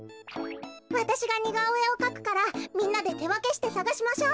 わたしがにがおえをかくからみんなでてわけしてさがしましょう。